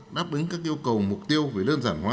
đáp ứng các yêu cầu mục tiêu về đơn giản hóa